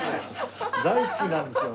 大好きなんですよ。